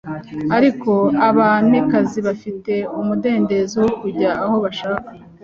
Ariko abamikazi bafite umudendezo wo kujya aho bashaka